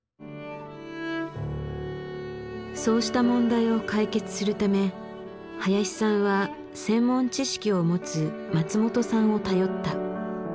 そうした問題を解決するため林さんは専門知識を持つ松本さんを頼った。